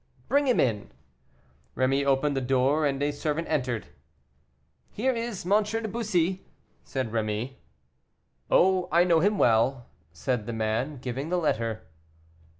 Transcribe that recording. "Bring him in." Rémy opened the door, and a servant entered. "Here is M. de Bussy," said Rémy. "Oh, I know him well," said the man, giving the letter.